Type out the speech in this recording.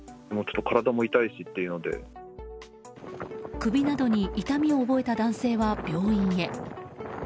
首などに痛みを覚えた男性は病院へ。